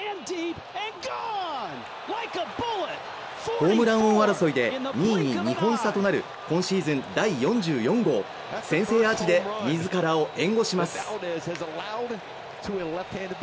ホームラン王争いで２位に２本差となる今シーズン第４４号先制アーチで自らを援護します。